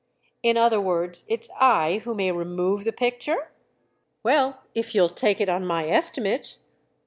"In other words it's I who may remove the picture?" "Well—if you'll take it on my estimate."